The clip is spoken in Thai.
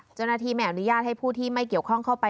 เจ้าหน้าที่ไม่อนุญาตให้ผู้ที่ไม่เกี่ยวข้องเข้าไป